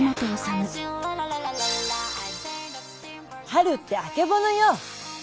「春ってあけぼのよ。